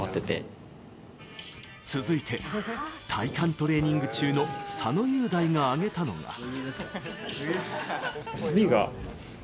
続いて、体幹トレーニング中の佐野雄大が挙げたのが。